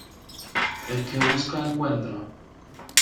El que busca encuentra.